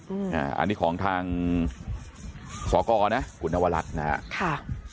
อืมอ่าอันนี้ของทางสกนะคุณนวรัฐนะฮะค่ะ